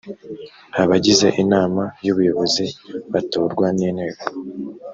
abagize inama y’ubuyobozi batorwa n’inteko